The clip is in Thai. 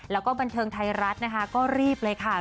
แล้วก็บันเทิงไทยรัฐนะคะก็รีบเลยค่ะ